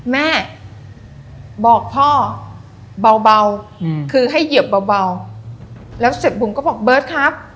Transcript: แม่บอกพ่อเบาคือให้เหยียบเบาแล้วเสร็จบุ๋มก็บอกเบิร์ตครับ